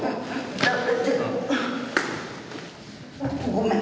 ごめん。